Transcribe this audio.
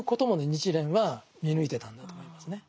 日蓮は見抜いてたんだと思いますね。